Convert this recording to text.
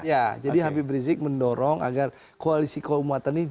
ya jadi habib rizik mendorong agar koalisi keumatan ini